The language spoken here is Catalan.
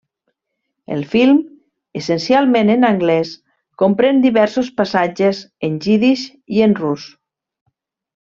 El film, essencialment en anglès, comprèn diversos passatges en jiddisch i en rus.